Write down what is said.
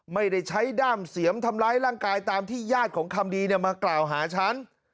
ไม่ได้ใช้ด้ามเสียมทำร้ายร่างกายตามที่ญาติของคำดีมากล่าวหาฉัน